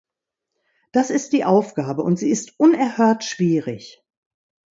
Das ist die Aufgabe, und sie ist unerhört schwierig.